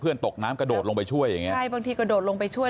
ตกน้ำกระโดดลงไปช่วยอย่างเงี้ใช่บางทีกระโดดลงไปช่วย